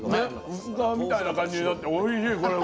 薄皮みたいな感じになっておいしい、これも。